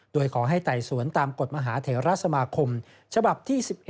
โดยขอให้ไต่สวนตามกฎมหาเทราสมาคมฉบับที่๑๑